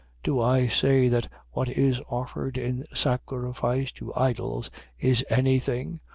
Do I say that what is offered in sacrifice to idols is any thing?